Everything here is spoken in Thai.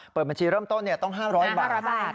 เปิดบัญชีเริ่มต้นต้อง๕๐๐บาท